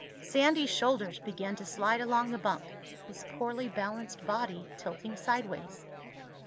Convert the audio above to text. Sandy's shoulders began to slide along the bunk, his poorly balanced body tilting sideways.